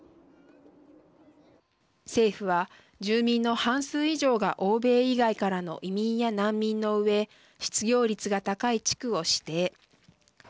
政府は住民の半数以上が欧米以外からの移民や難民のうえ失業率が高い地区を指定。